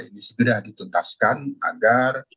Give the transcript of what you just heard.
ini segera dituntaskan agar